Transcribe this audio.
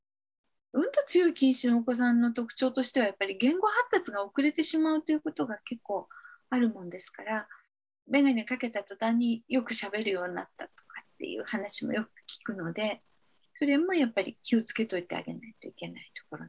うんと強い近視のお子さんの特徴としてはやっぱり言語発達が遅れてしまうということが結構あるもんですからめがねかけた途端によくしゃべるようになったとかっていう話もよく聞くのでそれもやっぱり気をつけといてあげないといけないところになります。